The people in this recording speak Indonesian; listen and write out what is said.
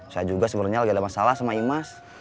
saya juga sebenarnya lagi ada masalah sama imas